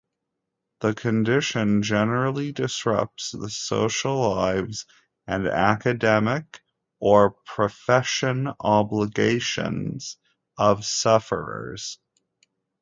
The condition generally disrupts the social lives and academic or profession obligations of sufferers.